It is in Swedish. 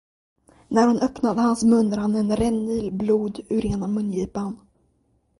När hon öppnade hans mun rann en rännil blod ut ur ena mungipan.